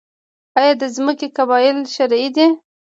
آیا د ځمکې قبالې شرعي دي؟